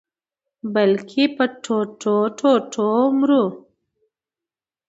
بلکي په ټوټو-ټوټو مرو